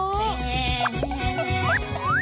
น้ำบ้านตะโกนอำเภิงเมืองจันทร์จังหวัดศรีสเกษครับ